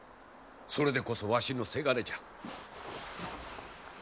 それでこそわしのせがれじゃ。